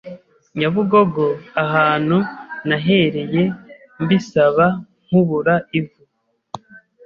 Nyabugogo ahantu nahereye mbisaba nkubura ivu